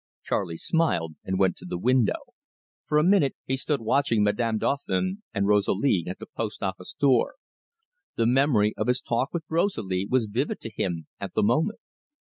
Charley smiled, and went to the window. For a minute he stood watching Madame Dauphin and Rosalie at the post office door. The memory of his talk with Rosalie was vivid to him at the moment.